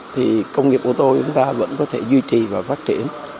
thì công nghiệp ô tô của chúng ta vẫn có thể duy trì và phát triển